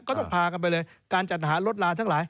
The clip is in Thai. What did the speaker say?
ก็ต้องพากันไปเลยการจัดหารถลาทั้งหลาย